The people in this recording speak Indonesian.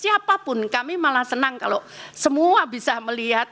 siapapun kami malah senang kalau semua bisa melihat